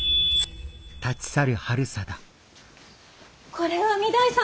これは御台様。